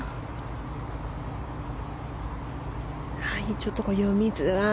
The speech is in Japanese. ちょっと読みづらい。